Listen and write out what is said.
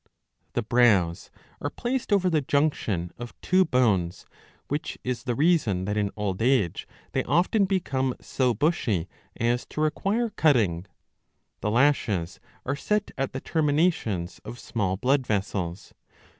The brows are placed over the junction of two bones,^ which is the reason that in old age they often become so bushy * as to require cutting. The lashes are set at the terminations of small blood vessels.